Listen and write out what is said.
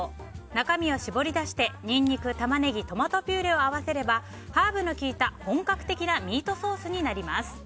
中身を絞り出してニンニク、タマネギトマトピューレを合わせればハーブの効いた本格的なミートソースになります。